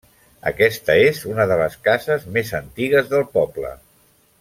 Aquesta és una de les cases més antigues del poble.